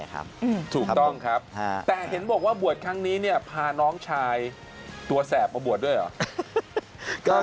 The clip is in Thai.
ถูกต้องครับแต่เห็นบอกว่าบวชครั้งนี้เนี่ยพาน้องชายตัวแสบมาบวชด้วยเหรอ